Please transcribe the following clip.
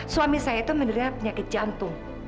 suami saya itu menderita penyakit jantung